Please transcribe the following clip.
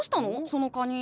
そのカニ。